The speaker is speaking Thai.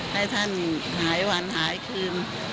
ให้ท่านหายวันหายคืน